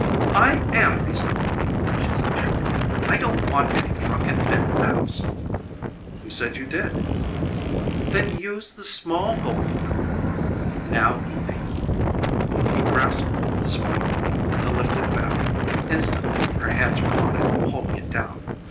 "I AM reasonable," she said shortly. "I don't want any drunken men in the house." "Who said you did?" "Then use the small bowl." "Now, Evie " He grasped the smaller bowl to lift it back. Instantly her hands were on it, holding it down.